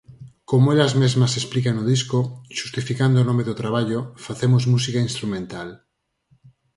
Como elas mesmas explican no disco, xustificando o nome do traballo, facemos música instrumental.